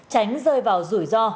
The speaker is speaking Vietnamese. tránh rơi vào rủi ro